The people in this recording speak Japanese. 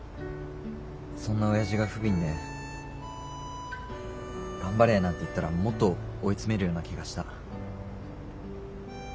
そんな親父が不憫で「頑張れ」なんて言ったらもっと追い詰めるような気がした。